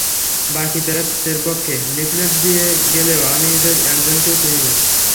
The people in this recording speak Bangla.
বাকি প্রার্থীদের পক্ষে লিফলেট দিয়ে গেলেও আমি তাঁদের একজনকেও চিনি না।